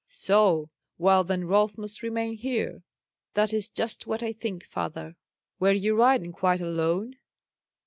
"So' Well, then, Rolf must remain here." "That is just what I think, father." "Were you riding quite alone?"